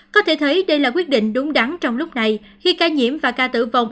có thể thấy đây là quyết định đúng đắn trong lúc này khi ca nhiễm và ca tử vong